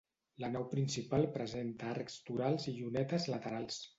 La nau principal presenta arcs torals i llunetes laterals.